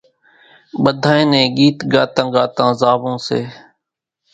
ٻڌانئين نين ڳيت ڳاتان ڳاتان زاوون سي